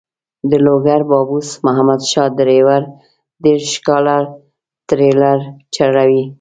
د لوګر بابوس محمد شاه ډریور دېرش کاله ټریلر چلوي.